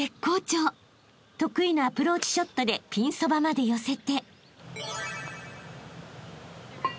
［得意のアプローチショットでピンそばまで寄せて］